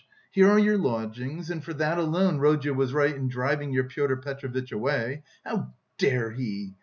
Here are your lodgings, and for that alone Rodya was right in driving your Pyotr Petrovitch away.... How dare he!